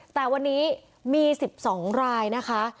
แต่วันนี้มี๑๒รายนะคะ